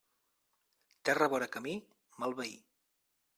Terra vora camí, mal veí.